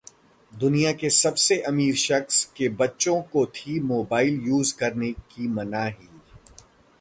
दुनिया के सबसे अमीर शख्स के बच्चों को थी मोबाइल यूज करने की मनाही